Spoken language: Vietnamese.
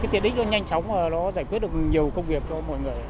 tiện đích nó nhanh chóng và nó giải quyết được nhiều công việc cho mọi người